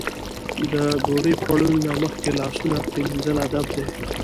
د ډوډۍ خوړلو نه مخکې لاسونه پرېمنځل ادب دی.